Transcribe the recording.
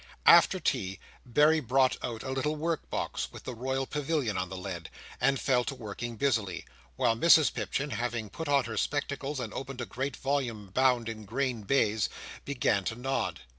After tea, Berry brought out a little work box, with the Royal Pavilion on the lid, and fell to working busily; while Mrs Pipchin, having put on her spectacles and opened a great volume bound in green baize, began to nod.